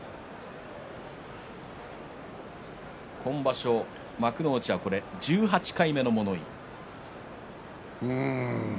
今場所幕内は１８回目の物言いです。